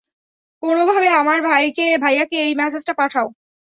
কোনভাবে আমার ভাইয়কে এই মেসেজটা পাঠাও।